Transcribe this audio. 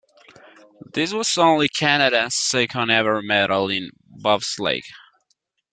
This was only Canada's second-ever medal in bobsleigh.